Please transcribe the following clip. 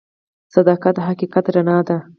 صداقت د حقیقت رڼا ده.